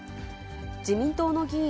自民党の議員